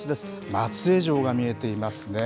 松江城が見えていますね。